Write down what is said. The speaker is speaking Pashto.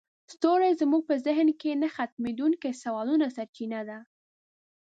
ستوري زموږ په ذهن کې د نه ختمیدونکي سوالونو سرچینه ده.